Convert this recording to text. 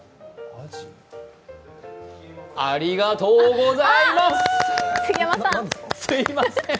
ありがとうございます！